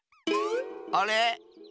あれ？